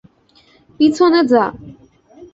পিছনে যা!